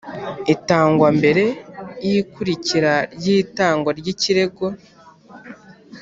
itangwambere yikurikira ryitangwa ry ikirego